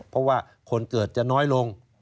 เพราะว่าคนเกิดจะน้อยลง